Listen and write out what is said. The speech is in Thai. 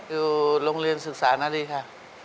อยู่โรงเรียนศึกษานารีค่ะ